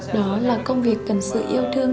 đó là công việc cần sự yêu thương